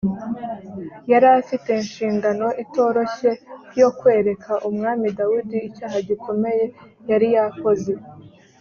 yari afite inshingano itoroshye yo kwereka umwami dawidi icyaha gikomeye yari yakoze